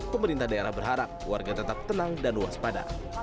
pemerintah daerah berharap warga tetap tenang dan waspada